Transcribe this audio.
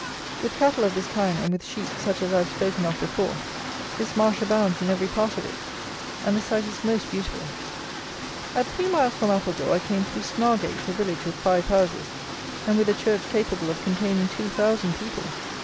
With cattle of this kind and with sheep such as I have spoken of before, this Marsh abounds in every part of it; and the sight is most beautiful. At three miles from Appledore I came through Snargate, a village with five houses, and with a church capable of containing two thousand people!